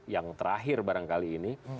yang terakhir barangkali ini